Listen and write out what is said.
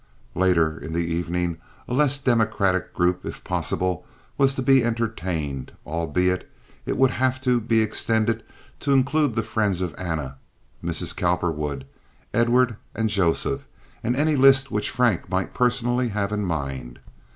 Later in the evening a less democratic group if possible was to be entertained, albeit it would have to be extended to include the friends of Anna, Mrs. Cowperwood, Edward, and Joseph, and any list which Frank might personally have in mind.